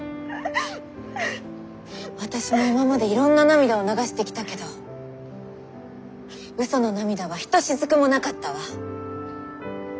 私も今までいろんな涙を流してきたけど嘘の涙はひとしずくもなかったわ。